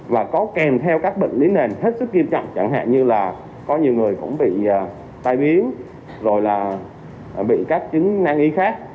và có kèm theo các bệnh lý nền hết sức nghiêm trọng chẳng hạn như là có nhiều người cũng bị tai biến rồi là bị các chứng năng y khác